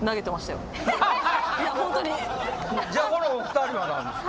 じゃあこのお二人は何ですか？